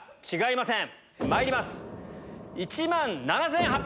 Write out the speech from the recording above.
すいません。